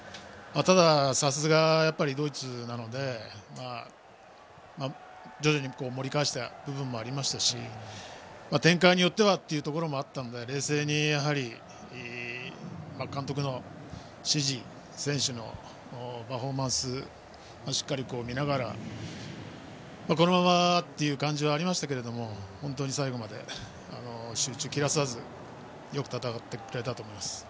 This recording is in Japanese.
ただ、さすがドイツなので徐々に盛り返した部分もありましたし展開によってはというところもあったので冷静に監督の指示選手のパフォーマンスをしっかり見ながらこのままという感じはありましたけれども本当に最後まで集中を切らさずよく戦ってくれたと思います。